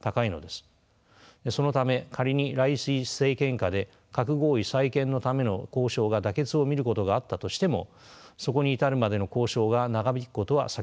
そのため仮にライシ政権下で核合意再建のための交渉が妥結を見ることがあったとしてもそこに至るまでの交渉が長引くことは避けられません。